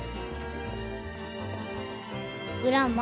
グランマ。